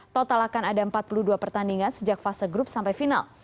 total akan ada empat puluh dua pertandingan sejak fase grup sampai final